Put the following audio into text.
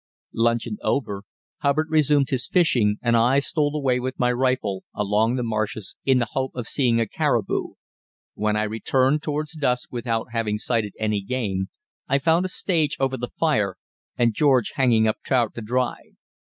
Luncheon over, Hubbard resumed his fishing, and I stole away with my rifle along the marshes in the hope of seeing a caribou. When I returned towards dusk without having sighted any game, I found a stage over the fire and George hanging up trout to dry.